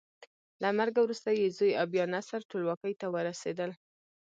له مرګه وروسته یې زوی او بیا نصر ټولواکۍ ته ورسېدل.